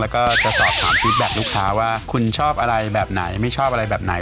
แล้วก็จะสอบถามฟิตแบ็คลูกค้าว่าคุณชอบอะไรแบบไหนไม่ชอบอะไรแบบไหน